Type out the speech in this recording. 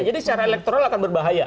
jadi secara elektronik akan berbahaya